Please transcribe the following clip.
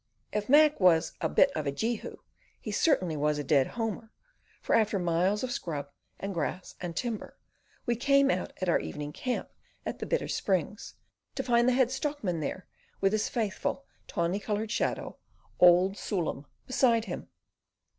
If Mac was a "bit of a Jehu," he certainly was a "dead homer," for after miles of scrub and grass and timber, we came out at our evening camp at the Bitter Springs, to find the Head Stockman there, with his faithful, tawny coloured shadow, "Old Sool em," beside him.